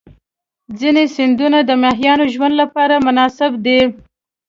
ځینې سیندونه د ماهیانو ژوند لپاره مناسب دي.